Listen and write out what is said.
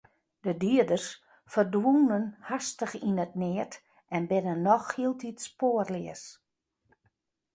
De dieders ferdwûnen hastich yn it neat en binne noch hieltyd spoarleas.